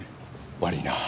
悪いな。